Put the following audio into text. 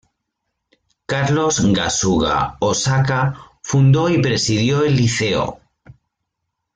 Carlos Kasuga Osaka fundó y presidió el liceo.